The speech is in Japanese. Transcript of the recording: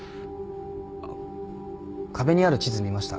あっ壁にある地図見ました？